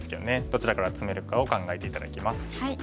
どちらからツメるかを考えて頂きます。